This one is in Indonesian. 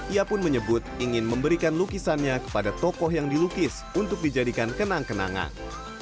ia pun menyebut ingin memberikan lukisannya kepada tokoh yang dilukis untuk dijadikan kenang kenangan